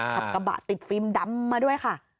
ขับกระบะติดฟิล์มดำมาด้วยค่ะ